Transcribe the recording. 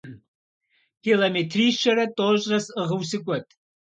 Километрищэрэ тӏощӏрэ сӏыгъыу сыкӏуэт.